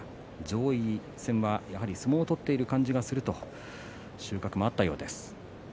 上位戦はやはり相撲を取っている感じがすると収穫もあったようです。